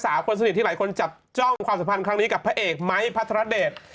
สาวคนสนิทที่หลายคนจับจ้องความสัมพันธ์ครั้งนี้กับพระเอกไม้พัทรเดช